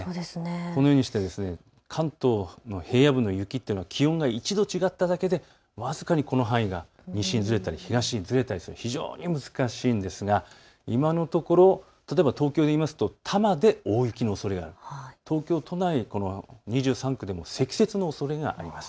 このようにして関東の平野部の雪というのは気温が１度違っていただけで僅かにこの範囲が西にずれたり東にずれたり非常に難しいんですが、今のところ例えば東京で言いますと多摩で大雪のおそれがあると、東京都内２３区でも積雪のおそれがあります。